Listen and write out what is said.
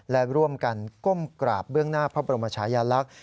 และร่วมกันก้มกราบเบื้องหน้าพระบรมชายาลักษณ์